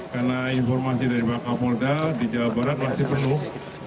karena informasi dari kapolda di jawa barat masih penuh